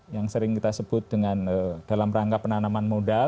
yang sering kita sebut dengan dalam rangka penanaman modal